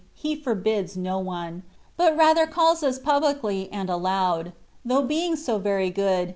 He forbids no one, but rather calls us publicly and aloud ; though being so very good.